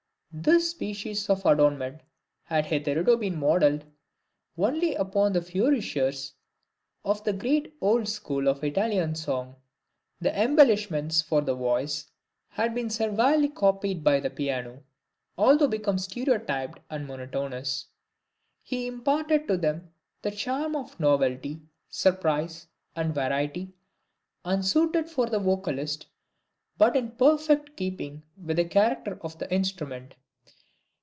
This species of adornment had hitherto been modeled only upon the Fioritures of the great Old School of Italian song; the embellishments for the voice had been servilely copied by the Piano, although become stereotyped and monotonous: he imparted to them the charm of novelty, surprise and variety, unsuited for the vocalist, but in perfect keeping with the character of the instrument.